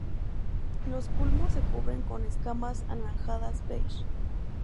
Los culmos se cubren con escamas anaranjadas beige.